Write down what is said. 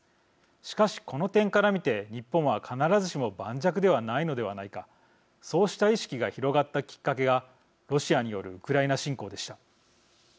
しかしこの点から見て日本は必ずしも盤石ではないのではないかそうした意識が広がったきっかけがロシアによるウクライナ侵攻でした。